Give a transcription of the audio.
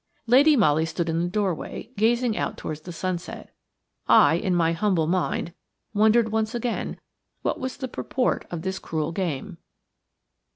Lady Molly stood in the doorway gazing out towards the sunset. I, in my humble mind, wondered once again what was the purport of this cruel game.